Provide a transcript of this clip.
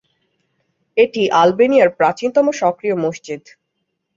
এটি আলবেনিয়ার প্রাচীনতম সক্রিয় মসজিদ।